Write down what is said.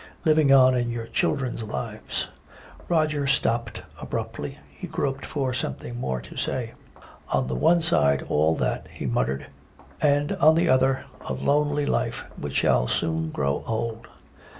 Living on in your children's lives!" Roger stopped abruptly. He groped for something more to say. "On the one side, all that," he muttered, "and on the other, a lonely life which will soon grow old."